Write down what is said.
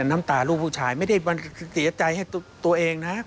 น้ำตาลูกผู้ชายไม่ได้เสียใจให้ตัวเองนะ